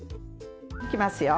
いきますよ。